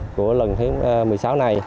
của lần thứ một mươi sáu này